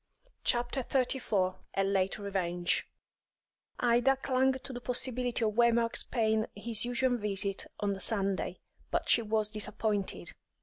CHAPTER XXXIV A LATE REVENGE Ida clung to the possibility of Waymark's paying his usual visit on the Sunday, but she was disappointed.